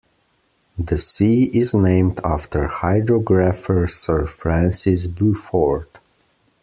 The sea is named after hydrographer Sir Francis Beaufort.